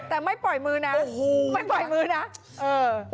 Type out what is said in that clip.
แต่ไม่ปล่อยมือนะโอ้โหไม่ปล่อยมือนะเออ